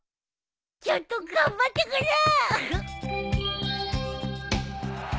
ちょっと頑張ってくるー！